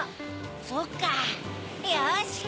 そっかぁよし！